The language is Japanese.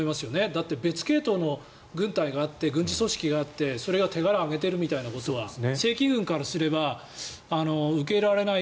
だって別系統の軍隊があって軍事組織があってそれを手柄を上げてるみたいなことは正規軍からすれば受け入れられない。